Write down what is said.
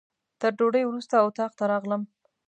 تر ډوډۍ وروسته اتاق ته راغلم.